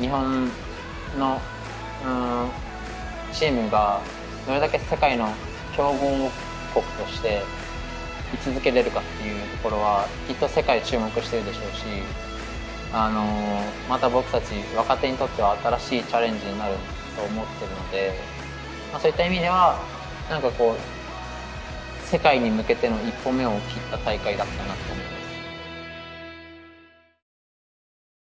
日本のチームがどれだけ世界の強豪国として居続けれるかっていうところはきっと世界が注目してるでしょうしまた僕たち若手にとっては新しいチャレンジになると思ってるのでそういった意味では何かこう世界に向けての一歩目を切った大会だったなと思います。